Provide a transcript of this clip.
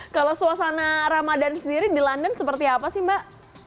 kalau suasana ramadan sendiri di london seperti apa sih mbak